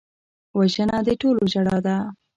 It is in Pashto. وژنه د ټولو ژړا ده